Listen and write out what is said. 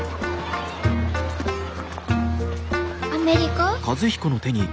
「アメリカ」？